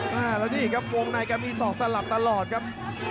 แล้วนี่ครับวงในแกมีศอกสลับตลอดครับ